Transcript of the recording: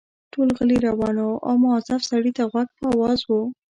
ټول غلي روان وو او مؤظف سړي ته غوږ په آواز وو.